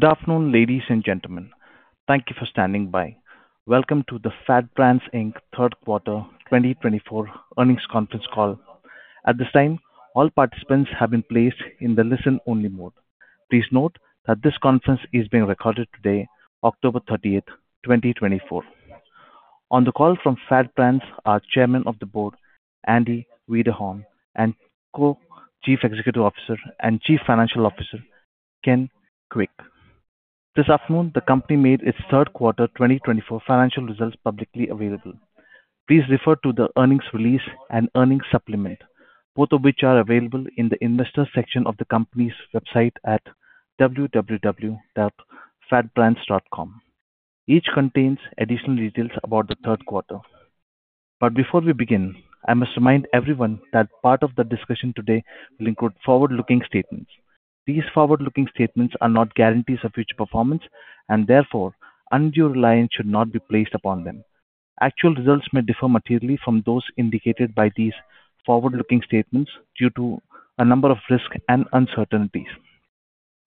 Good afternoon, ladies and gentlemen. Thank you for standing by. Welcome to the FAT Brands Inc. third quarter 2024 Earnings Conference Call. At this time, all participants have been placed in the listen-only mode. Please note that this conference is being recorded today, October 30th, 2024. On the call from FAT Brands are Chairman of the Board, Andy Wiederhorn, and Co-Chief Executive Officer and Chief Financial Officer, Ken Kuick. This afternoon, the company made its third quarter 2024 financial results publicly available. Please refer to the earnings release and earnings supplement, both of which are available in the investor section of the company's website at www.fatbrands.com. Each contains additional details about the third quarter. But before we begin, I must remind everyone that part of the discussion today will include forward-looking statements. These forward-looking statements are not guarantees of future performance, and therefore, undue reliance should not be placed upon them. Actual results may differ materially from those indicated by these forward-looking statements due to a number of risks and uncertainties.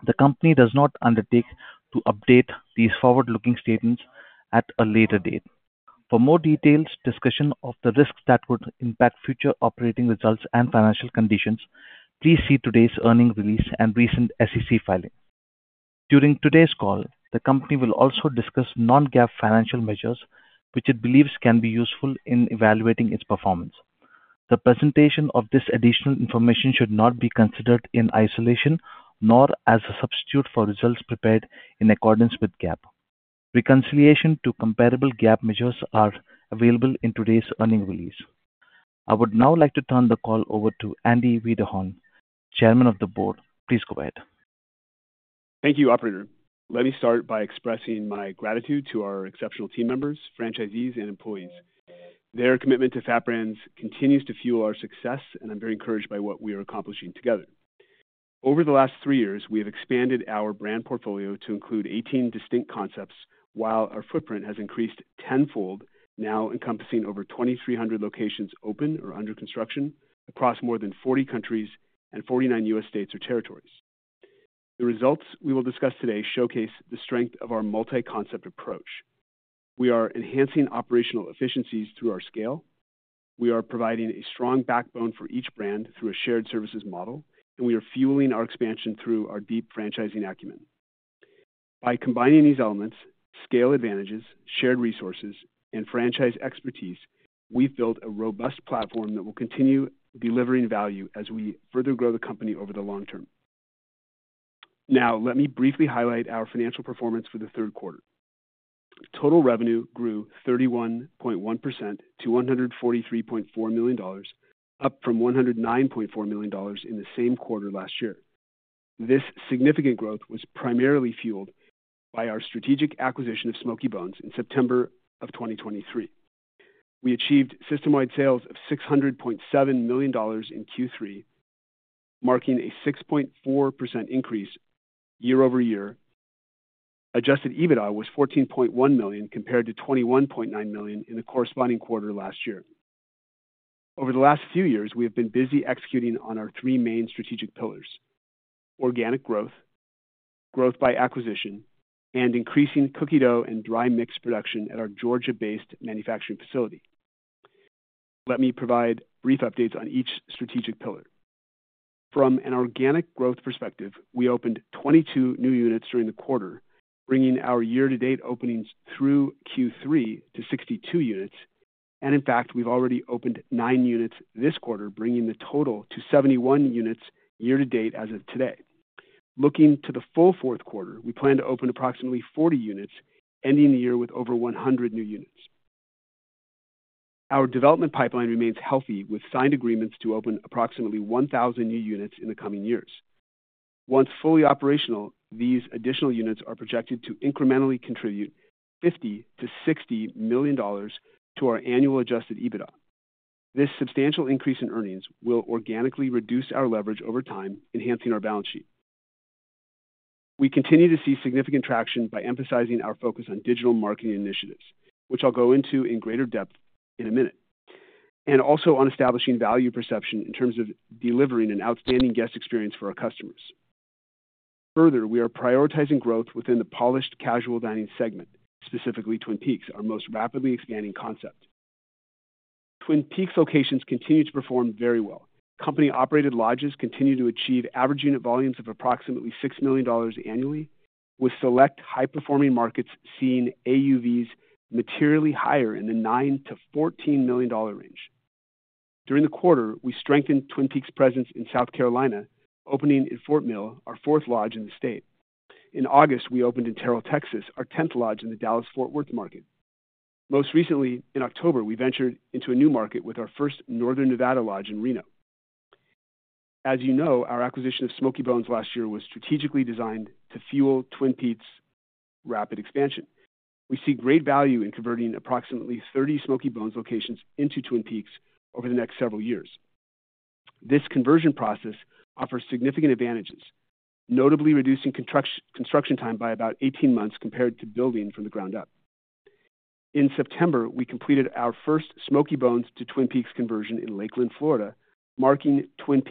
The company does not undertake to update these forward-looking statements at a later date. For more detailed discussion of the risks that could impact future operating results and financial conditions, please see today's earnings release and recent SEC filing. During today's call, the company will also discuss non-GAAP financial measures, which it believes can be useful in evaluating its performance. The presentation of this additional information should not be considered in isolation, nor as a substitute for results prepared in accordance with GAAP. Reconciliation to comparable GAAP measures are available in today's earnings release. I would now like to turn the call over to Andy Wiederhorn, Chairman of the Board. Please go ahead. Thank you, Operator. Let me start by expressing my gratitude to our exceptional team members, franchisees, and employees. Their commitment to FAT Brands continues to fuel our success, and I'm very encouraged by what we are accomplishing together. Over the last three years, we have expanded our brand portfolio to include 18 distinct concepts, while our footprint has increased tenfold, now encompassing over 2,300 locations open or under construction across more than 40 countries and 49 U.S. states or territories. The results we will discuss today showcase the strength of our multi-concept approach. We are enhancing operational efficiencies through our scale. We are providing a strong backbone for each brand through a shared services model, and we are fueling our expansion through our deep franchising acumen. By combining these elements, scale advantages, shared resources, and franchise expertise, we've built a robust platform that will continue delivering value as we further grow the company over the long term. Now, let me briefly highlight our financial performance for the third quarter. Total revenue grew 31.1% to $143.4 million, up from $109.4 million in the same quarter last year. This significant growth was primarily fueled by our strategic acquisition of Smoky Bones in September of 2023. We achieved system-wide sales of $600.7 million in Q3, marking a 6.4% increase year over year. Adjusted EBITDA was $14.1 million compared to $21.9 million in the corresponding quarter last year. Over the last few years, we have been busy executing on our three main strategic pillars: organic growth, growth by acquisition, and increasing cookie dough and dry mix production at our Georgia-based manufacturing facility. Let me provide brief updates on each strategic pillar. From an organic growth perspective, we opened 22 new units during the quarter, bringing our year-to-date openings through Q3 to 62 units. And in fact, we've already opened nine units this quarter, bringing the total to 71 units year-to-date as of today. Looking to the full fourth quarter, we plan to open approximately 40 units, ending the year with over 100 new units. Our development pipeline remains healthy, with signed agreements to open approximately 1,000 new units in the coming years. Once fully operational, these additional units are projected to incrementally contribute $50-$60 million to our annual Adjusted EBITDA. This substantial increase in earnings will organically reduce our leverage over time, enhancing our balance sheet. We continue to see significant traction by emphasizing our focus on digital marketing initiatives, which I'll go into in greater depth in a minute, and also on establishing value perception in terms of delivering an outstanding guest experience for our customers. Further, we are prioritizing growth within the polished casual dining segment, specifically Twin Peaks, our most rapidly expanding concept. Twin Peaks locations continue to perform very well. Company-operated lodges continue to achieve average unit volumes of approximately $6 million annually, with select high-performing markets seeing AUVs materially higher in the $9-$14 million range. During the quarter, we strengthened Twin Peaks' presence in South Carolina, opening in Fort Mill, our fourth lodge in the state. In August, we opened in Terrell, Texas, our 10th lodge in the Dallas-Fort Worth market. Most recently, in October, we ventured into a new market with our first Northern Nevada lodge in Reno. As you know, our acquisition of Smoky Bones last year was strategically designed to fuel Twin Peaks' rapid expansion. We see great value in converting approximately 30 Smoky Bones locations into Twin Peaks over the next several years. This conversion process offers significant advantages, notably reducing construction time by about 18 months compared to building from the ground up. In September, we completed our first Smoky Bones to Twin Peaks conversion in Lakeland, Florida, marking Twin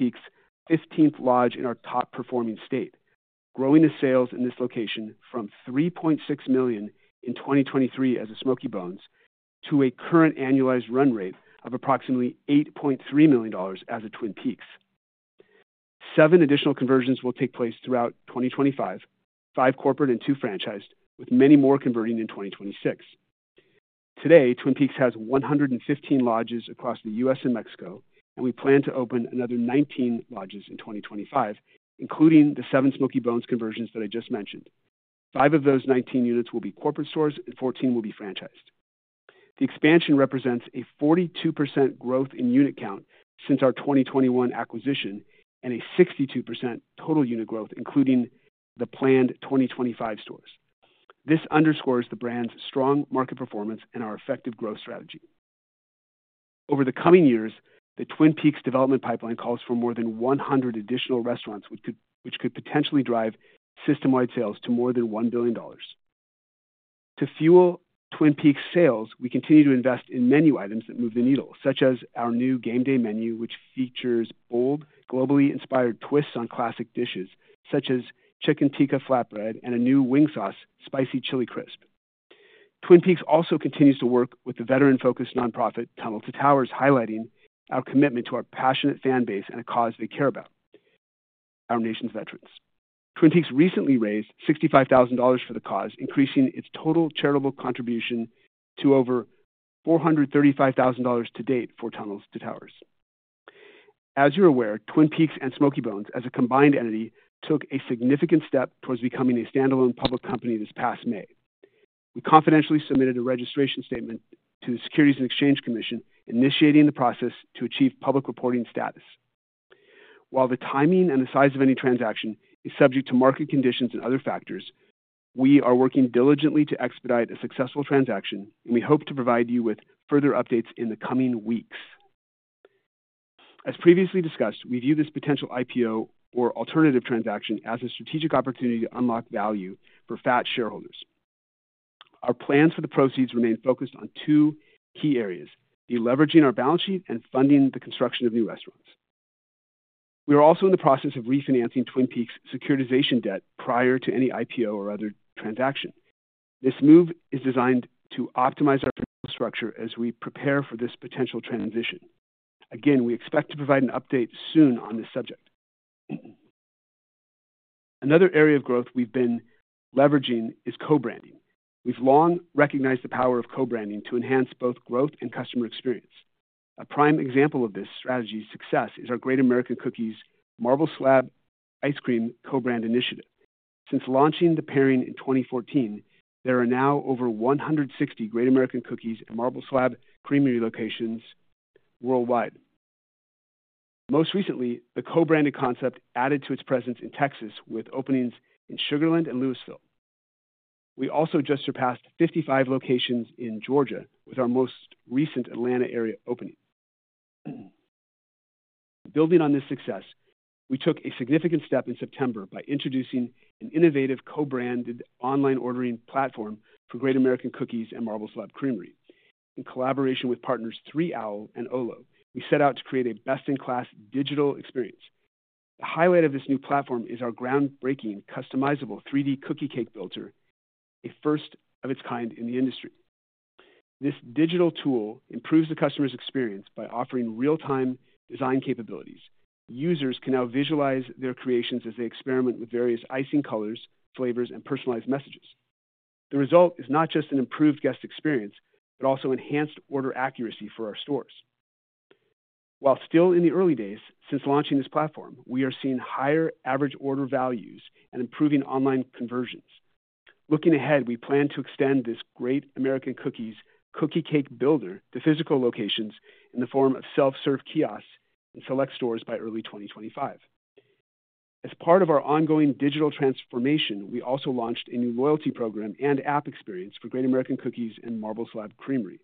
Peaks' 15th lodge in our top-performing state, growing the sales in this location from $3.6 million in 2023 as a Smoky Bones to a current annualized run rate of approximately $8.3 million as a Twin Peaks. Seven additional conversions will take place throughout 2025, five corporate and two franchised, with many more converting in 2026. Today, Twin Peaks has 115 lodges across the U.S. and Mexico, and we plan to open another 19 lodges in 2025, including the seven Smoky Bones conversions that I just mentioned. Five of those 19 units will be corporate stores, and 14 will be franchised. The expansion represents a 42% growth in unit count since our 2021 acquisition and a 62% total unit growth, including the planned 2025 stores. This underscores the brand's strong market performance and our effective growth strategy. Over the coming years, the Twin Peaks development pipeline calls for more than 100 additional restaurants, which could potentially drive system-wide sales to more than $1 billion. To fuel Twin Peaks' sales, we continue to invest in menu items that move the needle, such as our new game day menu, which features bold, globally inspired twists on classic dishes such as Chicken Tikka Flatbread and a new wing sauce, Spicy Chili Crisp. Twin Peaks also continues to work with the veteran-focused nonprofit Tunnel to Towers, highlighting our commitment to our passionate fan base and a cause they care about: our nation's veterans. Twin Peaks recently raised $65,000 for the cause, increasing its total charitable contribution to over $435,000 to date for Tunnel to Towers. As you're aware, Twin Peaks and Smoky Bones, as a combined entity, took a significant step towards becoming a standalone public company this past May. We confidentially submitted a registration statement to the Securities and Exchange Commission, initiating the process to achieve public reporting status. While the timing and the size of any transaction is subject to market conditions and other factors, we are working diligently to expedite a successful transaction, and we hope to provide you with further updates in the coming weeks. As previously discussed, we view this potential IPO or alternative transaction as a strategic opportunity to unlock value for FAT shareholders. Our plans for the proceeds remain focused on two key areas: the leveraging of our balance sheet and funding the construction of new restaurants. We are also in the process of refinancing Twin Peaks' securitization debt prior to any IPO or other transaction. This move is designed to optimize our financial structure as we prepare for this potential transition. Again, we expect to provide an update soon on this subject. Another area of growth we've been leveraging is co-branding. We've long recognized the power of co-branding to enhance both growth and customer experience. A prime example of this strategy's success is our Great American Cookies Marble Slab Creamery co-brand initiative. Since launching the pairing in 2014, there are now over 160 Great American Cookies and Marble Slab Creamery locations worldwide. Most recently, the co-branded concept added to its presence in Texas with openings in Sugar Land and Lewisville. We also just surpassed 55 locations in Georgia with our most recent Atlanta area opening. Building on this success, we took a significant step in September by introducing an innovative co-branded online ordering platform for Great American Cookies and Marble Slab Creamery. In collaboration with partners 3Owl and Olo, we set out to create a best-in-class digital experience. The highlight of this new platform is our groundbreaking customizable 3D cookie cake builder, a first of its kind in the industry. This digital tool improves the customer's experience by offering real-time design capabilities. Users can now visualize their creations as they experiment with various icing colors, flavors, and personalized messages. The result is not just an improved guest experience, but also enhanced order accuracy for our stores. While still in the early days, since launching this platform, we are seeing higher average order values and improving online conversions. Looking ahead, we plan to extend this Great American Cookies cookie cake builder to physical locations in the form of self-serve kiosks in select stores by early 2025. As part of our ongoing digital transformation, we also launched a new loyalty program and app experience for Great American Cookies and Marble Slab Creamery.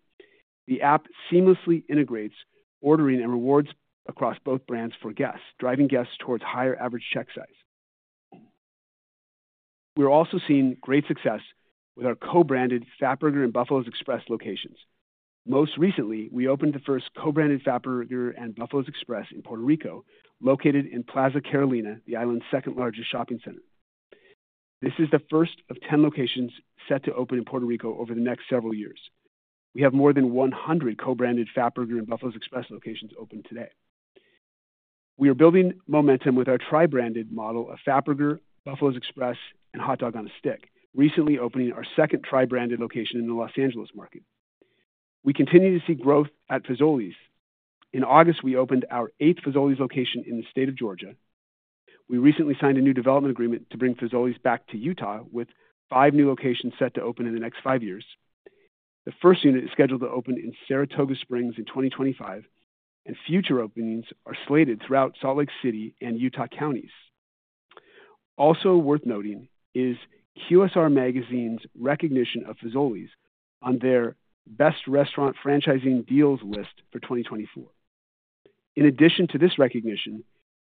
The app seamlessly integrates ordering and rewards across both brands for guests, driving guests towards higher average check size. We are also seeing great success with our co-branded Fatburger and Buffalo's Express locations. Most recently, we opened the first co-branded Fatburger and Buffalo's Express in Puerto Rico, located in Plaza Carolina, the island's second largest shopping center. This is the first of 10 locations set to open in Puerto Rico over the next several years. We have more than 100 co-branded Fatburger and Buffalo's Express locations open today. We are building momentum with our tri-branded model of Fatburger, Buffalo's Express, and Hot Dog on a Stick, recently opening our second tri-branded location in the Los Angeles market. We continue to see growth at Fazoli's. In August, we opened our eighth Fazoli's location in the state of Georgia. We recently signed a new development agreement to bring Fazoli's back to Utah, with five new locations set to open in the next five years. The first unit is scheduled to open in Saratoga Springs in 2025, and future openings are slated throughout Salt Lake City and Utah counties. Also worth noting is QSR Magazine's recognition of Fazoli's on their Best Restaurant Franchising Deals list for 2024. In addition to this recognition,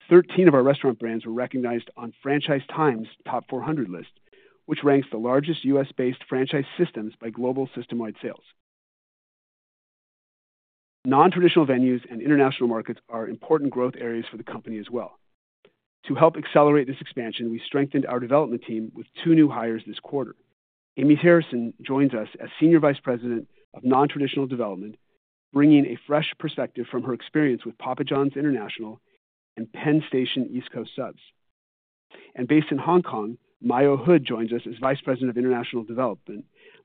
13 of our restaurant brands were recognized on Franchise Times Top 400 list, which ranks the largest U.S.-based franchise systems by global system-wide sales. Non-traditional venues and international markets are important growth areas for the company as well. To help accelerate this expansion, we strengthened our development team with two new hires this quarter. Aimee Harrison joins us as Senior Vice President of Non-Traditional Development, bringing a fresh perspective from her experience with Papa John's International and Penn Station East Coast Subs, and based in Hong Kong, Makan Hood joins us as Vice President of International Development,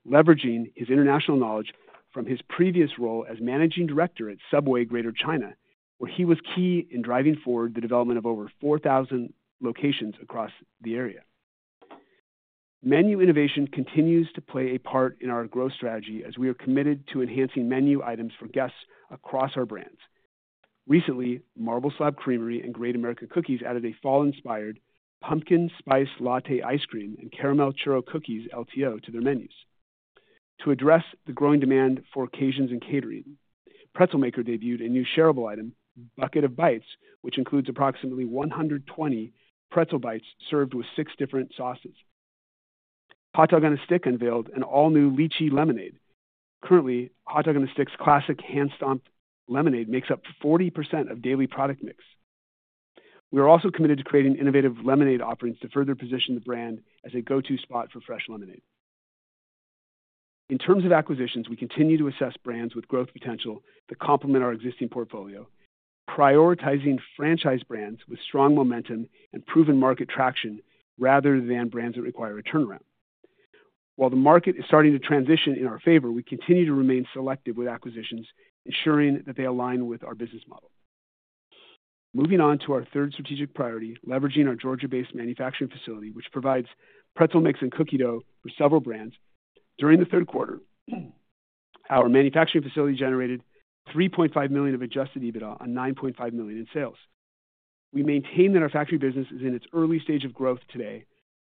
leveraging his international knowledge from his previous role as Managing Director at Subway Greater China, where he was key in driving forward the development of over 4,000 locations across the area. Menu innovation continues to play a part in our growth strategy as we are committed to enhancing menu items for guests across our brands. Recently, Marble Slab Creamery and Great American Cookies added a fall-inspired Pumpkin Spice Latte Ice Cream and Caramel Churro Cookies, LTO, to their menus. To address the growing demand for occasions and catering, Pretzelmaker debuted a new shareable item, Bucket of Bites, which includes approximately 120 pretzel bites served with six different sauces. Hot Dog on a Stick unveiled an all-new Lychee Lemonade. Currently, Hot Dog on a Stick's classic hand-stomped lemonade makes up 40% of daily product mix. We are also committed to creating innovative lemonade offerings to further position the brand as a go-to spot for fresh lemonade. In terms of acquisitions, we continue to assess brands with growth potential that complement our existing portfolio, prioritizing franchise brands with strong momentum and proven market traction rather than brands that require a turnaround. While the market is starting to transition in our favor, we continue to remain selective with acquisitions, ensuring that they align with our business model. Moving on to our third strategic priority, leveraging our Georgia-based manufacturing facility, which provides pretzel mix and cookie dough for several brands. During the third quarter, our manufacturing facility generated $3.5 million of Adjusted EBITDA and $9.5 million in sales. We maintain that our factory business is in its early stage of growth today,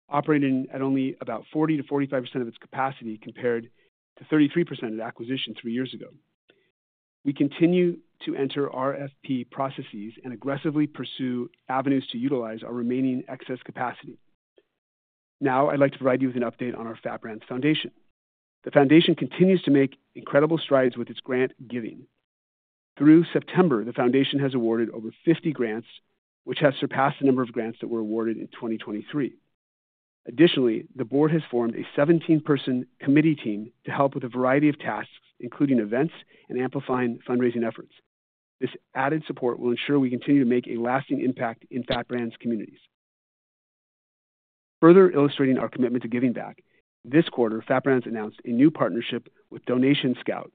operating at only about 40%-45% of its capacity compared to 33% at acquisition three years ago. We continue to enter RFP processes and aggressively pursue avenues to utilize our remaining excess capacity. Now, I'd like to provide you with an update on our FAT Brands Foundation. The foundation continues to make incredible strides with its grant giving. Through September, the foundation has awarded over 50 grants, which has surpassed the number of grants that were awarded in 2023. Additionally, the board has formed a 17-person committee team to help with a variety of tasks, including events and amplifying fundraising efforts. This added support will ensure we continue to make a lasting impact in FAT Brands communities. Further illustrating our commitment to giving back, this quarter, FAT Brands announced a new partnership with DonationScout,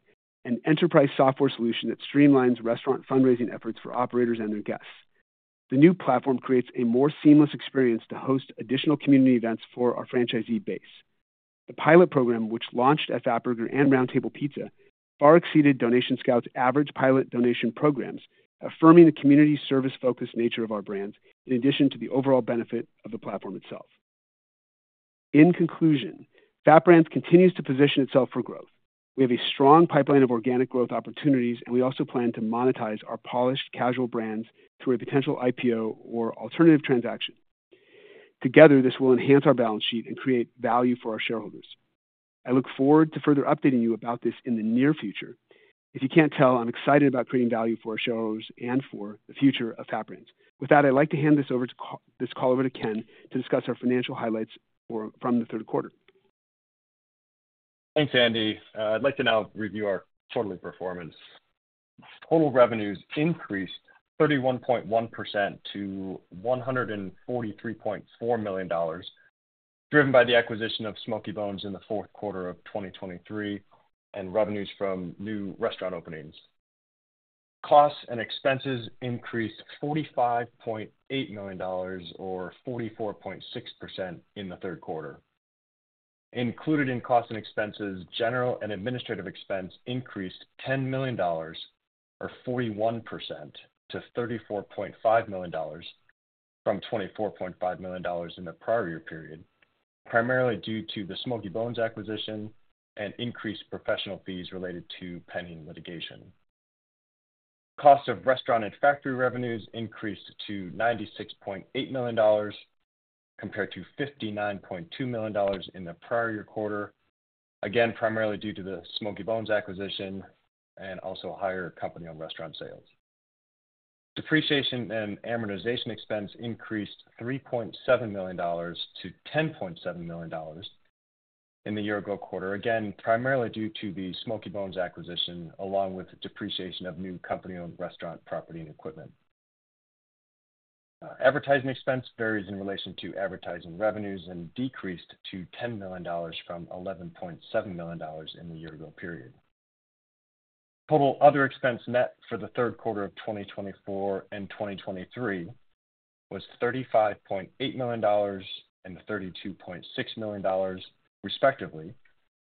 an enterprise software solution that streamlines restaurant fundraising efforts for operators and their guests. The new platform creates a more seamless experience to host additional community events for our franchisee base. The pilot program, which launched at Fatburger and Round Table Pizza, far exceeded DonationScout's average pilot donation programs, affirming the community service-focused nature of our brands in addition to the overall benefit of the platform itself. In conclusion, FAT Brands continues to position itself for growth. We have a strong pipeline of organic growth opportunities, and we also plan to monetize our polished casual brands through a potential IPO or alternative transaction. Together, this will enhance our balance sheet and create value for our shareholders. I look forward to further updating you about this in the near future. If you can't tell, I'm excited about creating value for our shareholders and for the future of FAT Brands. With that, I'd like to hand this call over to Ken to discuss our financial highlights from the third quarter. Thanks, Andy. I'd like to now review our quarterly performance. Total revenues increased 31.1% to $143.4 million, driven by the acquisition of Smoky Bones in the fourth quarter of 2023 and revenues from new restaurant openings. Costs and expenses increased $45.8 million or 44.6% in the third quarter. Included in costs and expenses, general and administrative expense increased $10 million or 41% to $34.5 million from $24.5 million in the prior year period, primarily due to the Smoky Bones acquisition and increased professional fees related to pending litigation. Costs of restaurant and factory revenues increased to $96.8 million compared to $59.2 million in the prior year quarter, again primarily due to the Smoky Bones acquisition and also higher company-owned restaurant sales. Depreciation and amortization expense increased $3.7 million to $10.7 million in the year-ago quarter, again primarily due to the Smoky Bones acquisition along with depreciation of new company-owned restaurant property and equipment. Advertising expense varies in relation to advertising revenues and decreased to $10 million from $11.7 million in the year-ago period. Total other expense net for the third quarter of 2024 and 2023 was $35.8 million and $32.6 million, respectively,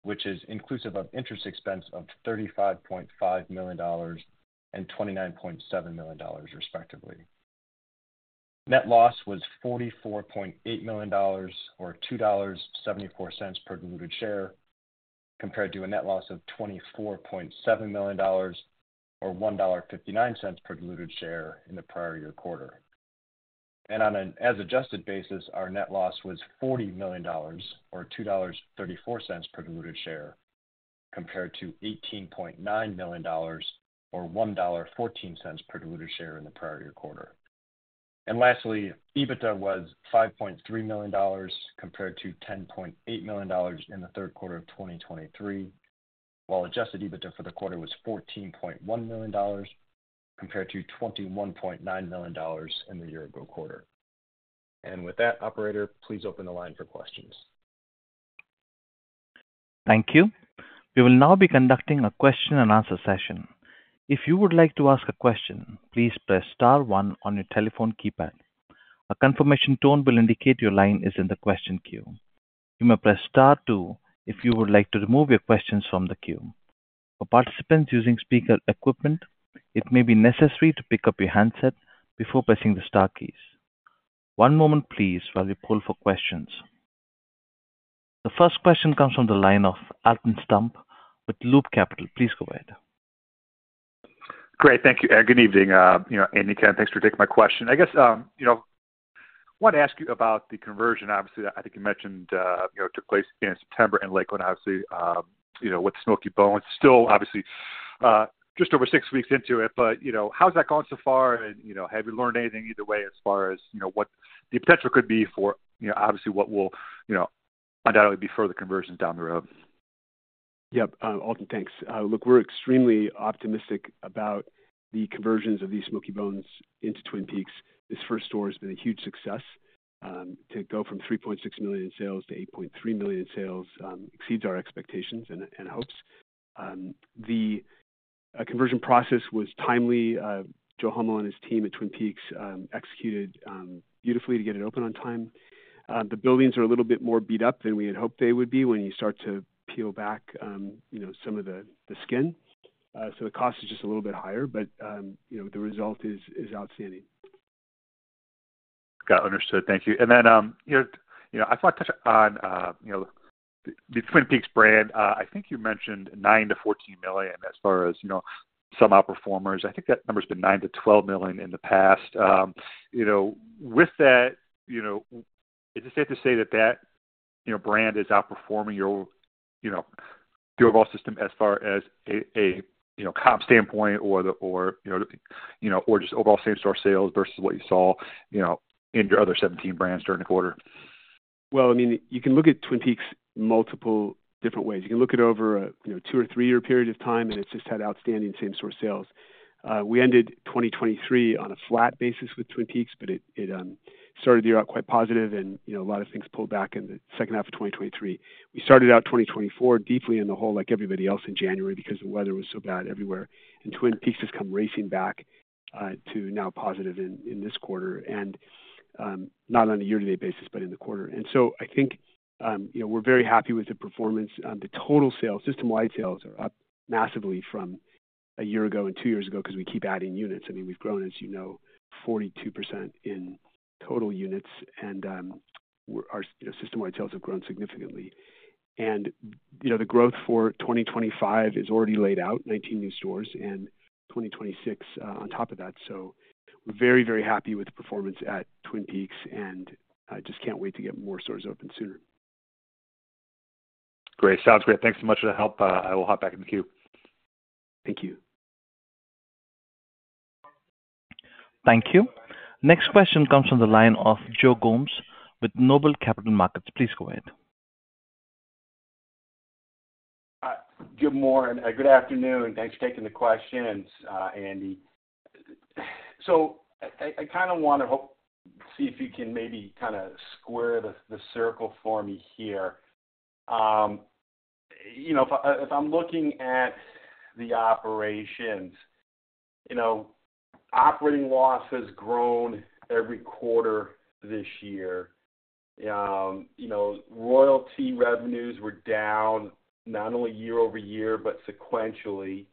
which is inclusive of interest expense of $35.5 million and $29.7 million, respectively. Net loss was $44.8 million or $2.74 per diluted share compared to a net loss of $24.7 million or $1.59 per diluted share in the prior year quarter. On an as-adjusted basis, our net loss was $40 million or $2.34 per diluted share compared to $18.9 million or $1.14 per diluted share in the prior year quarter. Lastly, EBITDA was $5.3 million compared to $10.8 million in the third quarter of 2023, while adjusted EBITDA for the quarter was $14.1 million compared to $21.9 million in the year-ago quarter. With that, Operator, please open the line for questions. Thank you. We will now be conducting a question-and-answer session. If you would like to ask a question, please press Star 1 on your telephone keypad. A confirmation tone will indicate your line is in the question queue. You may press Star 2 if you would like to remove your questions from the queue. For participants using speaker equipment, it may be necessary to pick up your handset before pressing the Star keys. One moment, please, while we poll for questions. The first question comes from the line of Alton Stump with Loop Capital. Please go ahead. Great. Thank you. Good evening. Andy and Ken, thanks for taking my question. I guess I wanted to ask you about the conversion. Obviously, I think you mentioned it took place in September in Lakeland, obviously, with Smoky Bones. Still, obviously, just over six weeks into it, but how's that gone so far? And have you learned anything either way as far as what the potential could be for, obviously, what will undoubtedly be further conversions down the road? Yep. Alton, thanks. Look, we're extremely optimistic about the conversions of these Smoky Bones into Twin Peaks. This first store has been a huge success. To go from $3.6 million in sales to $8.3 million in sales exceeds our expectations and hopes. The conversion process was timely. Joe Hummel and his team at Twin Peaks executed beautifully to get it open on time. The buildings are a little bit more beat up than we had hoped they would be when you start to peel back some of the skin. So the cost is just a little bit higher, but the result is outstanding. Got it. Understood. Thank you. Then I thought to touch on the Twin Peaks brand. I think you mentioned nine-14 million as far as some outperformers. I think that number has been nine-12 million in the past. With that, is it safe to say that that brand is outperforming your overall system as far as a comp standpoint or just overall same-store sales versus what you saw in your other 17 brands during the quarter? Well, I mean, you can look at Twin Peaks multiple different ways. You can look at it over a two or three-year period of time, and it's just had outstanding same-store sales. We ended 2023 on a flat basis with Twin Peaks, but it started the year out quite positive, and a lot of things pulled back in the second half of 2023. We started out 2024 deeply in the hole like everybody else in January because the weather was so bad everywhere, and Twin Peaks has come racing back to now positive in this quarter, and not on a year-to-date basis, but in the quarter, and so I think we're very happy with the performance. The total sales, system-wide sales, are up massively from a year ago and two years ago because we keep adding units. I mean, we've grown, as you know, 42% in total units, and our system-wide sales have grown significantly, and the growth for 2025 is already laid out: 19 new stores and 2026 on top of that, so we're very, very happy with the performance at Twin Peaks and just can't wait to get more stores open sooner. Great. Sounds great. Thanks so much for the help. I will hop back in the queue. Thank you. Thank you. Next question comes from the line of Joe Gomes with Noble Capital Markets. Please go ahead. Joe Gomes, good afternoon. Thanks for taking the questions, Andy. So I kind of want to see if you can maybe kind of square the circle for me here. If I'm looking at the operations, operating loss has grown every quarter this year. Royalty revenues were down not only year over year, but sequentially.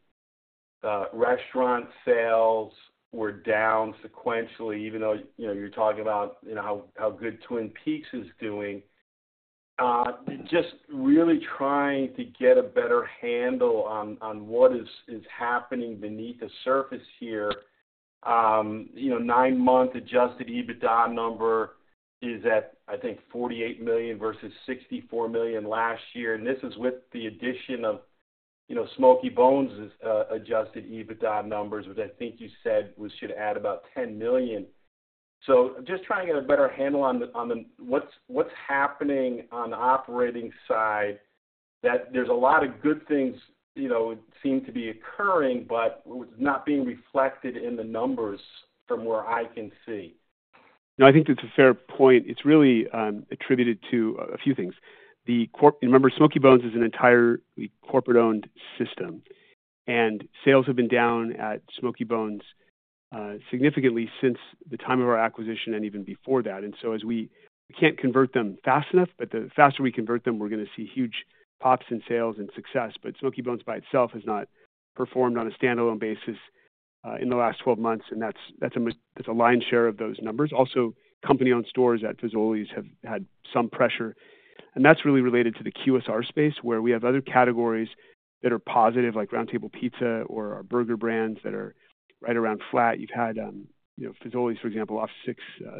Restaurant sales were down sequentially, even though you're talking about how good Twin Peaks is doing. Just really trying to get a better handle on what is happening beneath the surface here. Nine-month adjusted EBITDA number is at, I think, $48 million versus $64 million last year. And this is with the addition of Smoky Bones' adjusted EBITDA numbers, which I think you said should add about $10 million. So just trying to get a better handle on what's happening on the operating side, that there's a lot of good things that seem to be occurring, but it's not being reflected in the numbers from where I can see. I think that's a fair point. It's really attributed to a few things. Remember, Smoky Bones is an entirely corporate-owned system, and sales have been down at Smoky Bones significantly since the time of our acquisition and even before that. And so as we can't convert them fast enough, but the faster we convert them, we're going to see huge pops in sales and success. But Smoky Bones by itself has not performed on a standalone basis in the last 12 months, and that's a lion's share of those numbers. Also, company-owned stores at Fazoli's have had some pressure. And that's really related to the QSR space, where we have other categories that are positive, like Round Table Pizza or our burger brands that are right around flat. You've had Fazoli's, for example, off 6%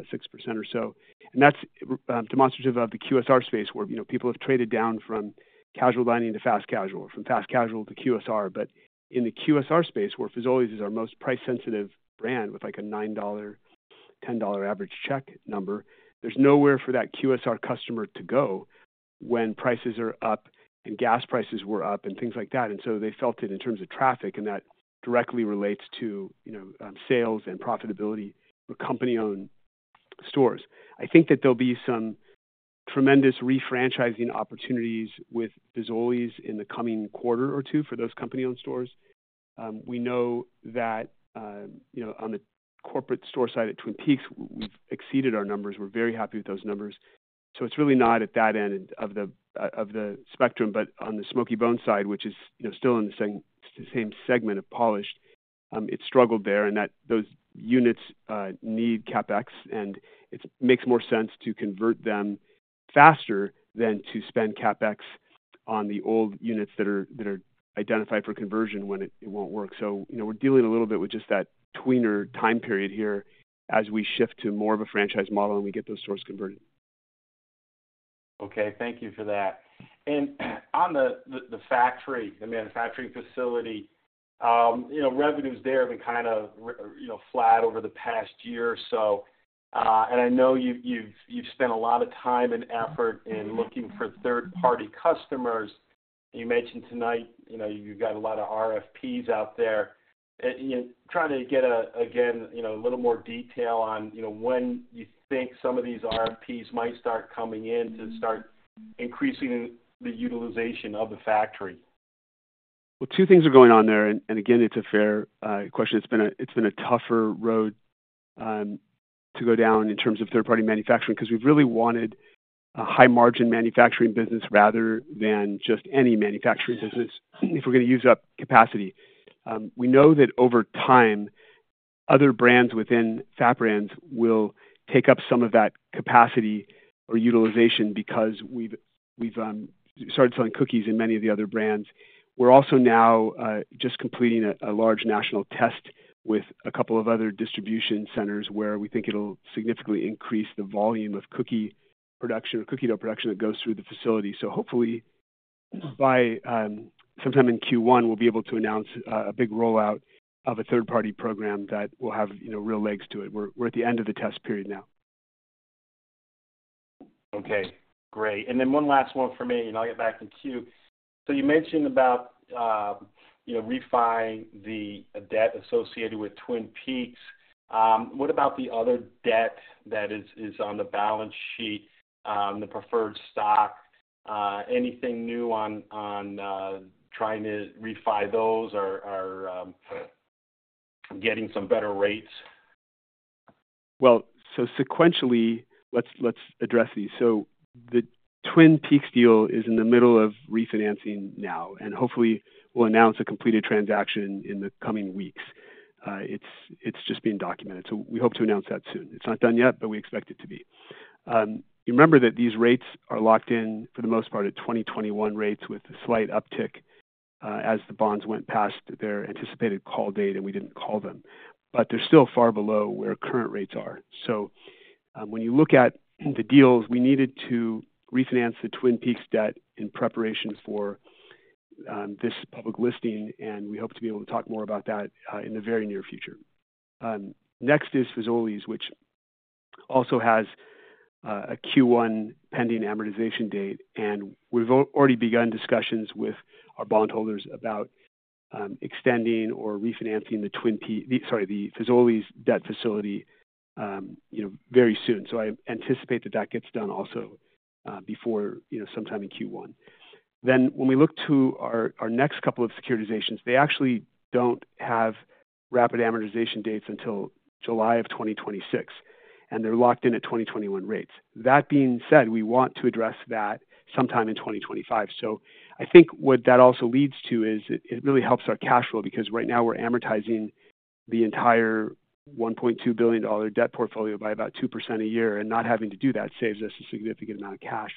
or so. And that's demonstrative of the QSR space, where people have traded down from casual dining to fast casual, from fast casual to QSR. But in the QSR space, where Fazoli's is our most price-sensitive brand with like a $9-$10 average check number, there's nowhere for that QSR customer to go when prices are up and gas prices were up and things like that. And so they felt it in terms of traffic, and that directly relates to sales and profitability for company-owned stores. I think that there'll be some tremendous refranchising opportunities with Fazoli's in the coming quarter or two for those company-owned stores. We know that on the corporate store side at Twin Peaks, we've exceeded our numbers. We're very happy with those numbers, so it's really not at that end of the spectrum, but on the Smoky Bones side, which is still in the same segment of polished, it struggled there, and those units need CapEx, and it makes more sense to convert them faster than to spend CapEx on the old units that are identified for conversion when it won't work, so we're dealing a little bit with just that tweener time period here as we shift to more of a franchise model and we get those stores converted. Okay. Thank you for that, and on the factory, the manufacturing facility, revenues there have been kind of flat over the past year or so, and I know you've spent a lot of time and effort in looking for third-party customers. You mentioned tonight you've got a lot of RFPs out there. Trying to get, again, a little more detail on when you think some of these RFPs might start coming in to start increasing the utilization of the factory? Two things are going on there. Again, it's a fair question. It's been a tougher road to go down in terms of third-party manufacturing because we've really wanted a high-margin manufacturing business rather than just any manufacturing business if we're going to use up capacity. We know that over time, other brands within FAT Brands will take up some of that capacity or utilization because we've started selling cookies in many of the other brands. We're also now just completing a large national test with a couple of other distribution centers where we think it'll significantly increase the volume of cookie production or cookie dough production that goes through the facility. So hopefully, by sometime in Q1, we'll be able to announce a big rollout of a third-party program that will have real legs to it. We're at the end of the test period now. Okay. Great. And then one last one for me, and I'll get back to Q. So you mentioned about refinancing the debt associated with Twin Peaks. What about the other debt that is on the balance sheet, the preferred stock? Anything new on trying to refinance those or getting some better rates? Well, so sequentially, let's address these. So the Twin Peaks deal is in the middle of refinancing now, and hopefully, we'll announce a completed transaction in the coming weeks. It's just being documented. So we hope to announce that soon. It's not done yet, but we expect it to be. You remember that these rates are locked in, for the most part, at 2021 rates with a slight uptick as the bonds went past their anticipated call date, and we didn't call them. But they're still far below where current rates are. So when you look at the deals, we needed to refinance the Twin Peaks debt in preparation for this public listing, and we hope to be able to talk more about that in the very near future. Next is Fazoli's, which also has a Q1 pending amortization date, and we've already begun discussions with our bondholders about extending or refinancing the Twin Peaks, sorry, the Fazoli's debt facility, very soon. So I anticipate that that gets done also before sometime in Q1. Then when we look to our next couple of securitizations, they actually don't have rapid amortization dates until July of 2026, and they're locked in at 2021 rates. That being said, we want to address that sometime in 2025. So I think what that also leads to is it really helps our cash flow because right now we're amortizing the entire $1.2 billion debt portfolio by about 2% a year, and not having to do that saves us a significant amount of cash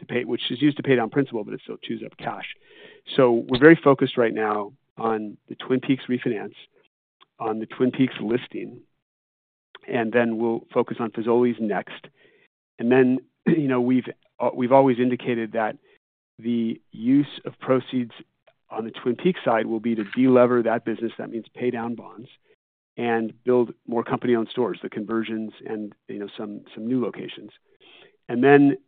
to pay, which is used to pay down principal, but it still chews up cash. So we're very focused right now on the Twin Peaks refinance, on the Twin Peaks listing, and then we'll focus on Fazoli's next. And then we've always indicated that the use of proceeds on the Twin Peaks side will be to delever that business. That means pay down bonds and build more company-owned stores, the conversions, and some new locations. And then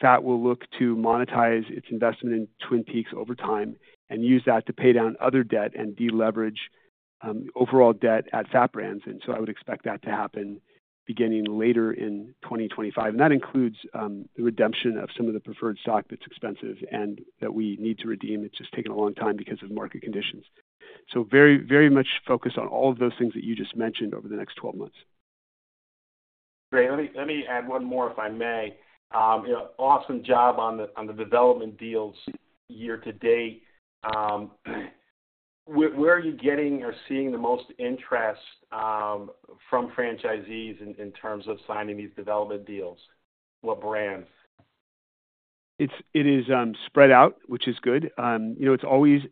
FAT will look to monetize its investment in Twin Peaks over time and use that to pay down other debt and deleverage overall debt at FAT Brands. And so I would expect that to happen beginning later in 2025. And that includes the redemption of some of the preferred stock that's expensive and that we need to redeem. It's just taken a long time because of market conditions. So very much focused on all of those things that you just mentioned over the next 12 months. Great. Let me add one more if I may. Awesome job on the development deals year to date. Where are you getting or seeing the most interest from franchisees in terms of signing these development deals? What brands? It is spread out, which is good. It's always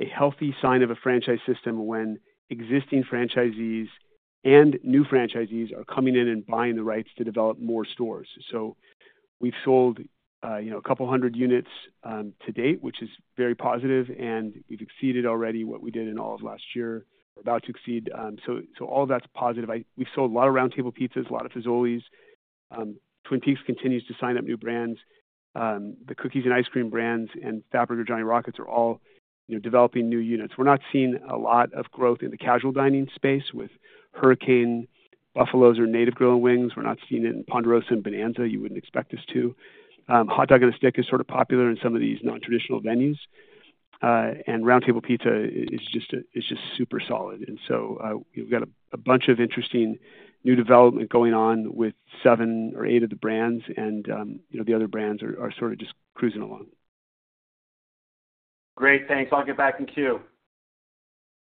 a healthy sign of a franchise system when existing franchisees and new franchisees are coming in and buying the rights to develop more stores. So we've sold a couple hundred units to date, which is very positive, and we've exceeded already what we did in all of last year, or about to exceed. So all of that's positive. We've sold a lot of Round Table Pizzas, a lot of Fazoli's. Twin Peaks continues to sign up new brands. The cookies and ice cream brands and Fatburger Johnny Rockets are all developing new units. We're not seeing a lot of growth in the casual dining space with Hurricane, Buffalo's, or Native Grill & Wings. We're not seeing it in Ponderosa and Bonanza. You wouldn't expect us to. Hot Dog on a Stick is sort of popular in some of these non-traditional venues, and Round Table Pizza is just super solid, and so we've got a bunch of interesting new development going on with seven or eight of the brands, and the other brands are sort of just cruising along. Great. Thanks. I'll get back in queue.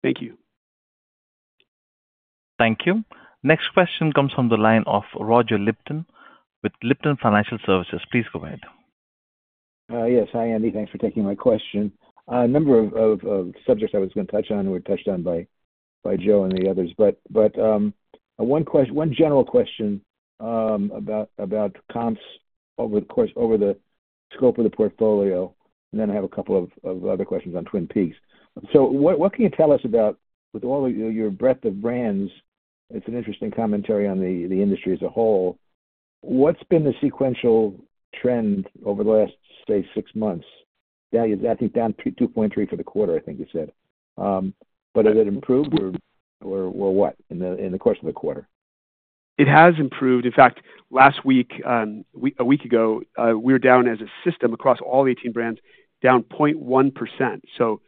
Thank you. Thank you. Next question comes from the line of Roger Lipton with Lipton Financial Services. Please go ahead. Yes, hi, Andy. Thanks for taking my question. A number of subjects I was going to touch on were touched on by Joe and the others, but one general question about comps over the scope of the portfolio, and then I have a couple of other questions on Twin Peaks. So what can you tell us about, with all your breadth of brands - it's an interesting commentary on the industry as a whole - what's been the sequential trend over the last, say, six months? I think down 2.3% for the quarter, I think you said. But has it improved or what in the course of the quarter? It has improved. In fact, last week, a week ago, we were down as a system across all 18 brands, down 0.1%. So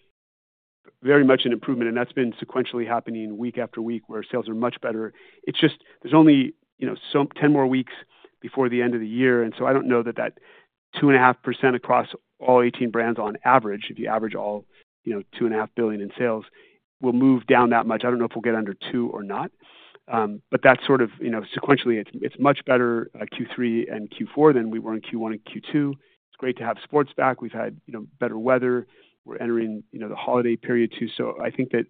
very much an improvement, and that's been sequentially happening week after week where sales are much better. It's just, there's only 10 more weeks before the end of the year, and so I don't know that that 2.5% across all 18 brands on average, if you average all $2.5 billion in sales, will move down that much. I don't know if we'll get under 2% or not, but that's sort of sequentially, it's much better Q3 and Q4 than we were in Q1 and Q2. It's great to have sports back. We've had better weather. We're entering the holiday period too. So I think that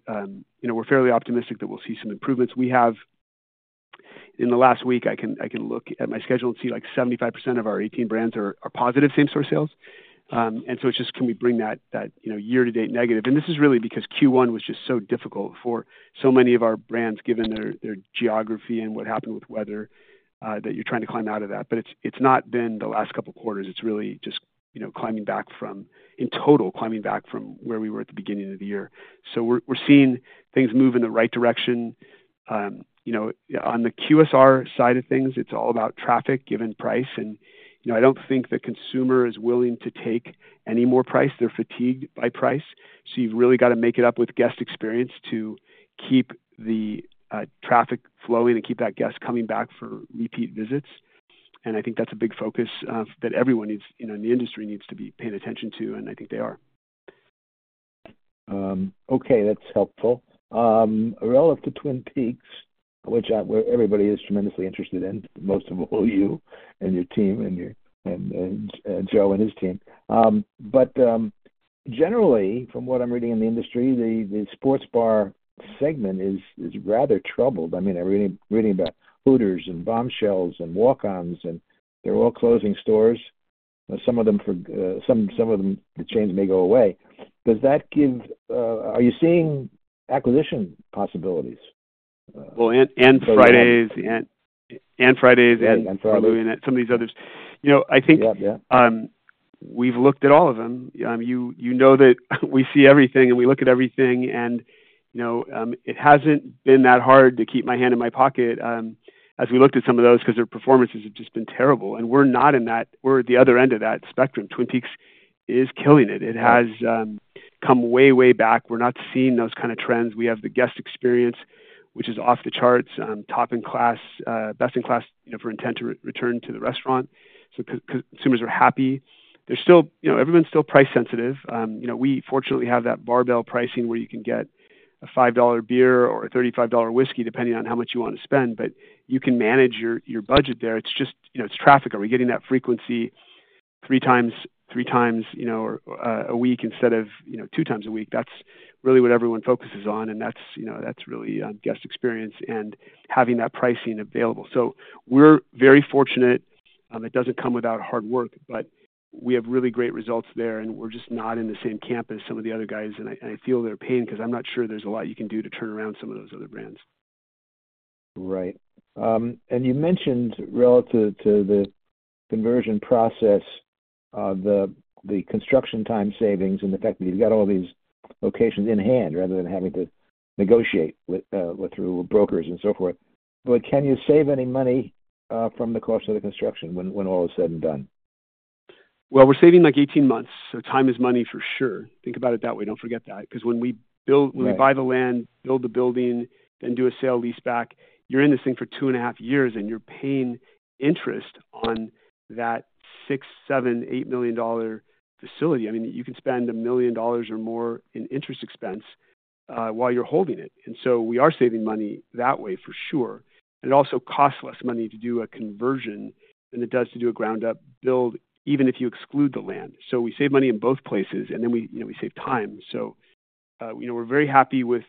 we're fairly optimistic that we'll see some improvements. We have, in the last week, I can look at my schedule and see like 75% of our 18 brands are positive same-store sales. And so it's just, can we bring that year-to-date negative? And this is really because Q1 was just so difficult for so many of our brands, given their geography and what happened with weather, that you're trying to climb out of that. But it's not been the last couple of quarters. It's really just, in total, climbing back from where we were at the beginning of the year. So we're seeing things move in the right direction. On the QSR side of things, it's all about traffic given price, and I don't think the consumer is willing to take any more price. They're fatigued by price. So you've really got to make it up with guest experience to keep the traffic flowing and keep that guest coming back for repeat visits. And I think that's a big focus that everyone in the industry needs to be paying attention to, and I think they are. Okay. That's helpful. Relative to Twin Peaks, which everybody is tremendously interested in, most of all you and your team and Joe and his team. But generally, from what I'm reading in the industry, the sports bar segment is rather troubled. I mean, I'm reading about Hooters and Bombshells and Walk-On's, and they're all closing stores. Some of them, the chains may go away. Does that give—are you seeing acquisition possibilities? Well, and Fridays and some of these others. I think we've looked at all of them. You know that we see everything and we look at everything, and it hasn't been that hard to keep my hand in my pocket as we looked at some of those because their performances have just been terrible. And we're not in that; we're at the other end of that spectrum. Twin Peaks is killing it. It has come way, way back. We're not seeing those kind of trends. We have the guest experience, which is off the charts, top in class, best in class for intent to return to the restaurant. So consumers are happy. Everyone's still price sensitive. We, fortunately, have that barbell pricing where you can get a $5 beer or a $35 whiskey, depending on how much you want to spend, but you can manage your budget there. It's just traffic. Are we getting that frequency three times a week instead of two times a week? That's really what everyone focuses on, and that's really guest experience and having that pricing available. So we're very fortunate. It doesn't come without hard work, but we have really great results there, and we're just not in the same camp as some of the other guys. And I feel their pain because I'm not sure there's a lot you can do to turn around some of those other brands. Right. And you mentioned relative to the conversion process, the construction time savings and the fact that you've got all these locations in hand rather than having to negotiate through brokers and so forth. But can you save any money from the cost of the construction when all is said and done? Well, we're saving like 18 months. So time is money for sure. Think about it that way. Don't forget that. Because when we buy the land, build the building, then do a sale-leaseback, you're in this thing for two and a half years, and you're paying interest on that $6-$8 million-dollar facility. I mean, you can spend $1 million or more in interest expense while you're holding it. And so we are saving money that way for sure. It also costs less money to do a conversion than it does to do a ground-up build, even if you exclude the land. So we save money in both places, and then we save time. So we're very happy with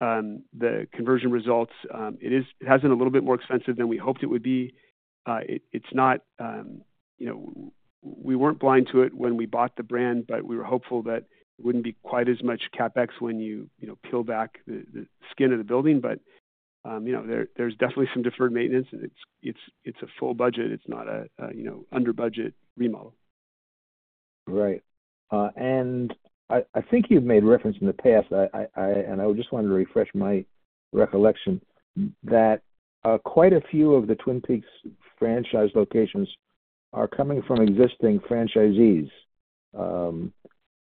the conversion results. It has been a little bit more expensive than we hoped it would be. It's not. We weren't blind to it when we bought the brand, but we were hopeful that it wouldn't be quite as much CapEx when you peel back the skin of the building. But there's definitely some deferred maintenance, and it's a full budget. It's not an under-budget remodel. Right. And I think you've made reference in the past, and I just wanted to refresh my recollection that quite a few of the Twin Peaks franchise locations are coming from existing franchisees.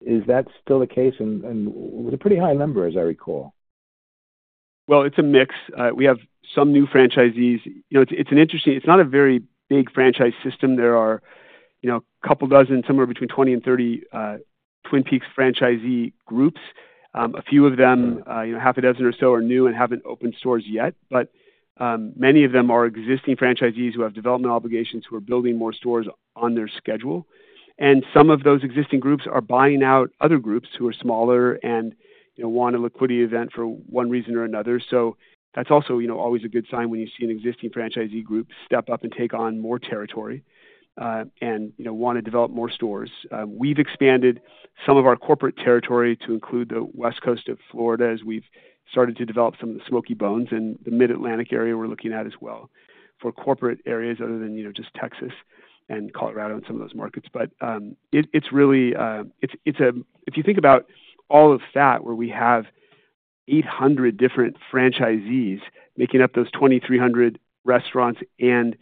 Is that still the case? It was a pretty high number, as I recall. It's a mix. We have some new franchisees. It's an interesting. It's not a very big franchise system. There are a couple dozen, somewhere between 20 and 30 Twin Peaks franchisee groups. A few of them, half a dozen or so, are new and haven't opened stores yet, but many of them are existing franchisees who have development obligations, who are building more stores on their schedule. And some of those existing groups are buying out other groups who are smaller and want a liquidity event for one reason or another. That's also always a good sign when you see an existing franchisee group step up and take on more territory and want to develop more stores. We've expanded some of our corporate territory to include the West Coast of Florida as we've started to develop some of the Smoky Bones and the Mid-Atlantic area we're looking at as well. For corporate areas other than just Texas and Colorado and some of those markets. But it's really, if you think about all of that, where we have 800 different franchisees making up those 2,300 restaurants and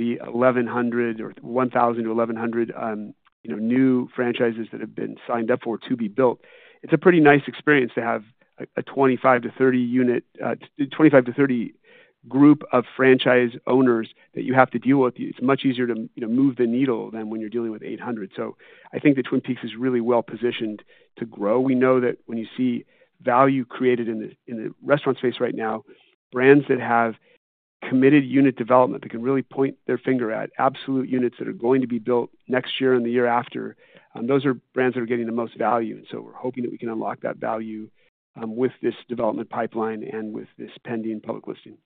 the 1,000-1,100 new franchises that have been signed up for to be built, it's a pretty nice experience to have a 25-30 unit, 25-30 group of franchise owners that you have to deal with. It's much easier to move the needle than when you're dealing with 800. So I think that Twin Peaks is really well positioned to grow. We know that when you see value created in the restaurant space right now, brands that have committed unit development that can really point their finger at absolute units that are going to be built next year and the year after, those are brands that are getting the most value. And so we're hoping that we can unlock that value with this development pipeline and with this pending public listing.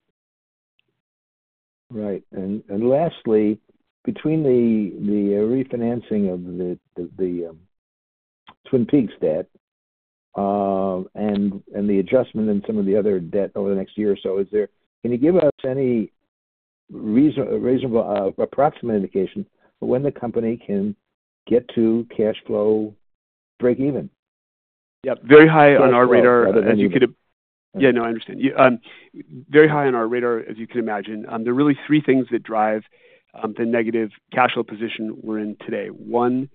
Right. And lastly, between the refinancing of the Twin Peaks debt and the adjustment in some of the other debt over the next year or so, can you give us any reasonable approximate indication of when the company can get to cash flow break-even? Yep. Very high on our radar, as you can imagine. There are really three things that drive the negative cash flow position we're in today. One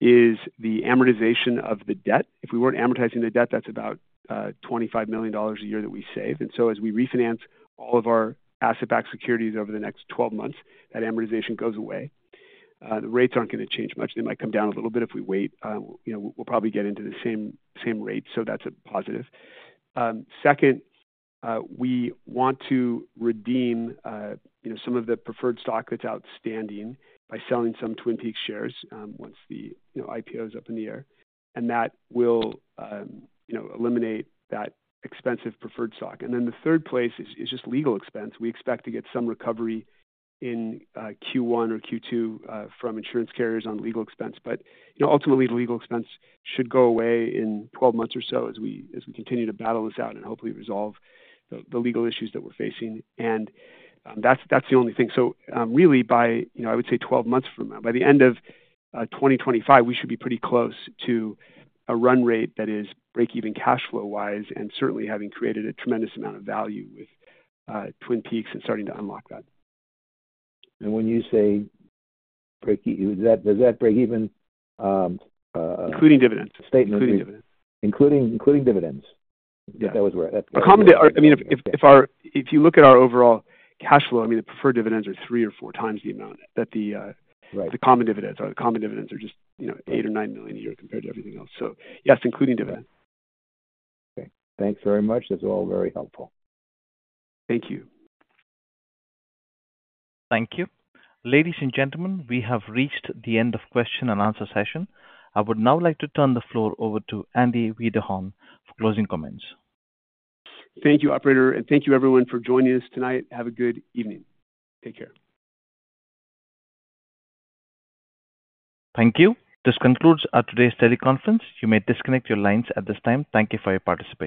is the amortization of the debt. If we weren't amortizing the debt, that's about $25 million a year that we save, and so as we refinance all of our asset-backed securities over the next 12 months, that amortization goes away. The rates aren't going to change much. They might come down a little bit if we wait. We'll probably get into the same rate, so that's a positive. Second, we want to redeem some of the preferred stock that's outstanding by selling some Twin Peaks shares once the IPO is up in the air, and that will eliminate that expensive preferred stock, and then the third place is just legal expense. We expect to get some recovery in Q1 or Q2 from insurance carriers on legal expense, but ultimately, the legal expense should go away in 12 months or so as we continue to battle this out and hopefully resolve the legal issues that we're facing. And that's the only thing. So really, by, I would say, 12 months from now, by the end of 2025, we should be pretty close to a run rate that is break-even cash flow-wise and certainly having created a tremendous amount of value with Twin Peaks and starting to unlock that. And when you say break-even, does that break-even? Including dividends. Including dividends. Including dividends. That was where I mean, if you look at our overall cash flow, I mean, the preferred dividends are three or four times the amount that the common dividends are. The common dividends are just $8 or $9 million a year compared to everything else. So yes, including dividends. Okay. Thanks very much. That's all very helpful. Thank you. Thank you. Ladies and gentlemen, we have reached the end of question and answer session. I would now like to turn the floor over to Andy Wiederhorn for closing comments. Thank you, operator, and thank you, everyone, for joining us tonight. Have a good evening. Take care. Thank you. This concludes our today's earnings conference. You may disconnect your lines at this time. Thank you for your participation.